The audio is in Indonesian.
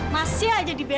masih aja diberi